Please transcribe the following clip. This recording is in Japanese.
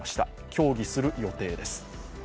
協議する予定です。